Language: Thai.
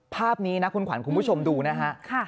ภาพนี้นะคุณขวัญคุณผู้ชมดูนะฮะ